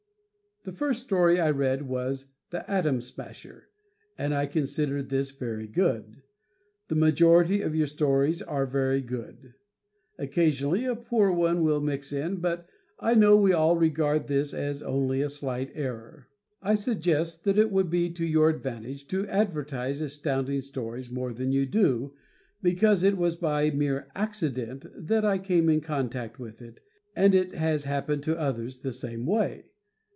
The first story I read was "The Atom Smasher," and I considered this very good. The majority of your stories are very good. Occasionally a poor one will mix in, but I know we all regard this as only a slight error. I suggest that it would be to your advantage to advertise Astounding Stories more than you do because it was by mere accident that I came in contact with it, and it has happened to others the same way.